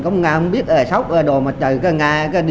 tăng nhiều lần so với năm hai nghìn một mươi bốn